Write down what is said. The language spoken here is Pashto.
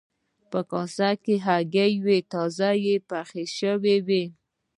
په کاسه کې هګۍ وې تازه پخې شوې وې.